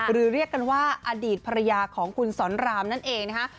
เรียกกันว่าอดีตภรรยาของคุณสอนรามนั่นเองนะคะ